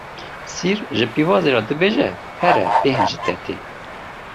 Sîr ji pîvazê re dibêje here bêhn ji te tê.